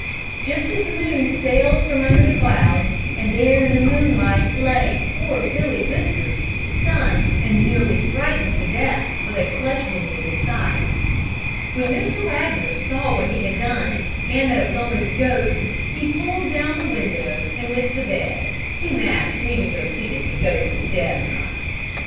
Just then the moon sailed from under the cloud, and there in the moonlight lay poor Billy Whiskers stunned and nearly frightened to death with a flesh wound in his side. When Mr. Wagner saw what he had done, and that it was only the goat, he pulled down the window, and went to bed, too mad to even go to see if the goat was dead or not.